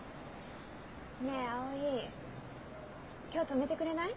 ねえ葵今日泊めてくれない？